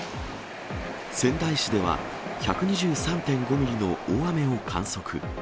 仙台市では、１２３．５ミリの大雨を観測。